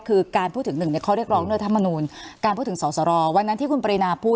คือการพูดถึงหนึ่งในข้อเรียกร้องด้วยธรรมนูลการพูดถึงสอสรวันนั้นที่คุณปรินาพูด